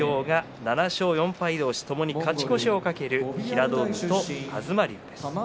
続く土俵は７勝４敗同士ともに勝ち越しを懸ける平戸海と東龍です。